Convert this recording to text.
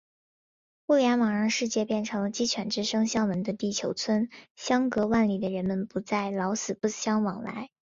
互联网让世界变成了“鸡犬之声相闻”的地球村，相隔万里的人们不再“老死不相往来”。